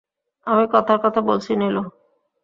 আমি কথার কথা বলছি নীলু।